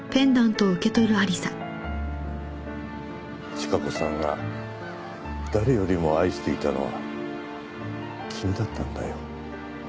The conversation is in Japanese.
千加子さんが誰よりも愛していたのは君だったんだよ。